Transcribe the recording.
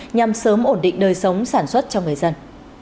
nhằm sớm ổn định đời sống sản xuất cho người dân